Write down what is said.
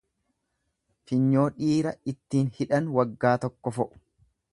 Funyoo dhiira ittin hidhan waggaa tokko fo'u.